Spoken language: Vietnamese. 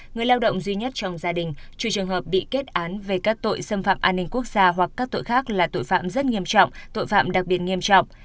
người lao động duy nhất trong gia đình trừ trường hợp bị kết án về các tội xâm phạm an ninh quốc gia hoặc các tội khác là tội phạm rất nghiêm trọng tội phạm đặc biệt nghiêm trọng